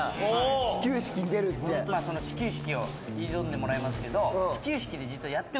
始球式挑んでもらいますけど。